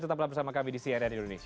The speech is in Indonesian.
tetaplah bersama kami di cnn indonesia